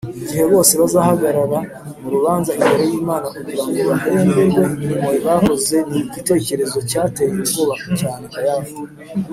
igihe bose bazahagarara mu rubanza imbere y’imana, kugira ngo bahemberwe imirimo bakoze, ni igitekerezo cyateye ubwoba cyane kayafa